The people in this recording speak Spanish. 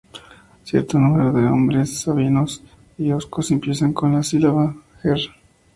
Cierto número de nombres sabinos y Oscos empiezan con la sílaba, "Her-".